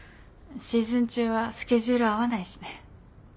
シーズン中はスケジュール合わないしね。